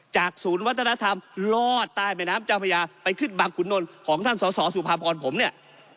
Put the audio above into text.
ศูนย์วัฒนธรรมลอดใต้แม่น้ำเจ้าพระยาไปขึ้นบางขุนนลของท่านสอสอสุภาพรผมเนี่ย